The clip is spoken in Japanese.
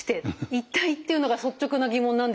一体！？っていうのが率直な疑問なんですが。